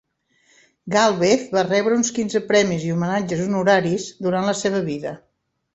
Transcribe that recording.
Galvez va rebre uns quinze premis i homenatges honoraris durant la seva vida.